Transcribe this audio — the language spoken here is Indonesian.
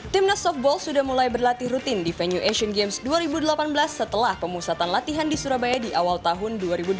timnas softball sudah mulai berlatih rutin di venue asian games dua ribu delapan belas setelah pemusatan latihan di surabaya di awal tahun dua ribu delapan belas